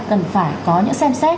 cần phải có những xem xét